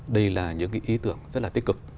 đây là những ý tưởng rất là tích cực